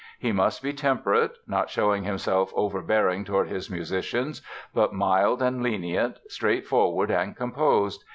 He must be temperate, not showing himself overbearing toward his musicians, but mild and lenient, straightforward and composed.